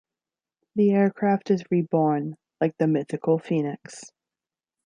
The aircraft is reborn, like the mythical Phoenix.